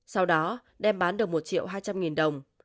sau đó đem bán được một triệu hai trăm linh nghìn đồng